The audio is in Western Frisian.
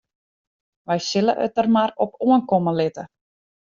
Wy sille it der mar op oankomme litte.